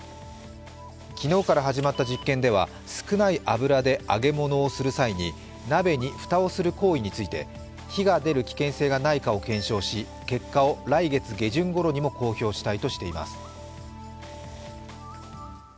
昨日から始まった実験では少ない油で揚げ物をする際に鍋に蓋をする行為について火が出る危険性がないかを検証し結果を来月下旬ごろにも公表したいとしています。